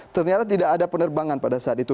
ternyata tidak ada penerbangan pada saat itu